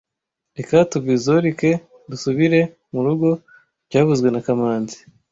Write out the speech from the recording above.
Reka tubizorike dusubire murugo byavuzwe na kamanzi